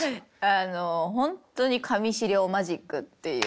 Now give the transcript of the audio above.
あのほんとに紙資料マジックっていう。